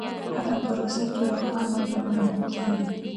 هره پروسه چې روښانه وي، منل کېږي.